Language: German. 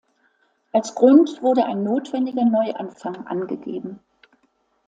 Als Grund wurde ein notwendiger Neuanfang angegeben.